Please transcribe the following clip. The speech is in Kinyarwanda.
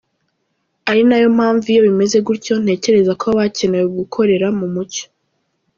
Ari nayo mpamvu iyo bimeze gutyo ntekereza ko haba hakenewe gukorera mu mucyo.